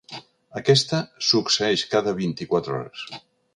Aquesta succeeix cada vint-i-quatre hores.